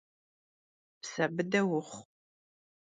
Pse bıde vuxhu!